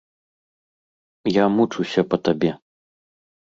Я мучуся па табе.